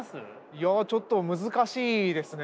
いやちょっと難しいですね。